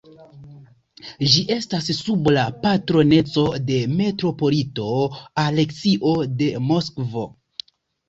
Ĝi estas sub la patroneco de metropolito Aleksio de Moskvo.